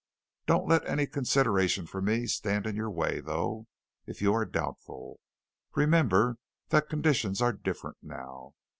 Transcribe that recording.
Don't let any consideration for me stand in your way, though, if you are doubtful. Remember that conditions are different now.